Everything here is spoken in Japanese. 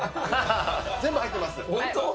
全部入ってます。